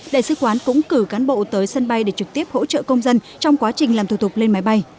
đại sứ quán cũng cử cán bộ tới sân bay để trực tiếp hỗ trợ công dân trong quá trình làm thủ tục lên máy bay